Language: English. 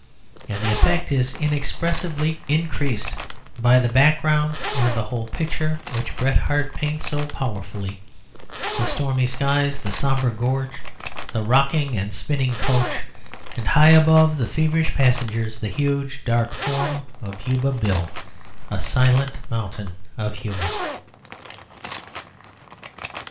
And the effect is inexpressively increased by the background and the whole picture which Bret Harte paints so powerfully; the stormy skies, the sombre gorge, the rocking and spinning coach, and high above the feverish passengers the huge dark form of Yuba Bill, a silent mountain of humour.